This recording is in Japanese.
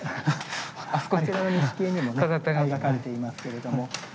あちらの錦絵にもね描かれていますけれども。